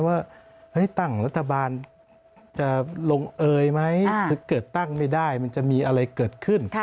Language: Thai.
ว่าตั้งรัฐบาลจะลงเอยไหมหรือเกิดตั้งไม่ได้มันจะมีอะไรเกิดขึ้น